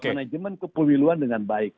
manajemen kepemiluan dengan baik